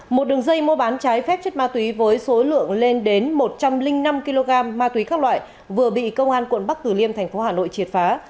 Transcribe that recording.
một đường dây mua bán trái phép chất ma túy với số lượng lên đến một trăm linh năm kg ma túy các loại vừa bị công an quận bắc tử liêm thành phố hà nội triệt phá